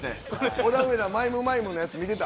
オダウエダ、マイムマイム見てた？